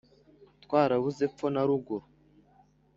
twarabuze epfo na ruguru